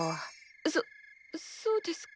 そそうですか。